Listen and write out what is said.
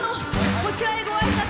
こちらへご挨拶。